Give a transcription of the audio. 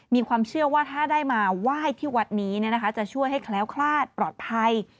มีความเชื่อว่าถ้าได้มาไหว้ที่วัดนี้จะช่วยให้แคล้วคลาดปลอดภัย